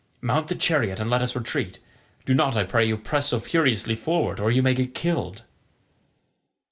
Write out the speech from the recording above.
Mount the chariot and let us retreat. Do not, I pray you, press so furiously forward, or you may get killed."